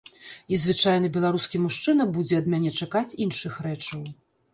І звычайны беларускі мужчына будзе ад мяне чакаць іншых рэчаў.